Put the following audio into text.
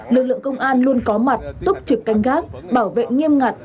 lực lượng công an luôn có mặt túc trực canh gác bảo vệ nghiêm ngặt